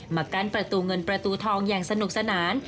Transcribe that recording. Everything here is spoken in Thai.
มากั้นประตูเงินประตูทองอย่างสนุกสนาน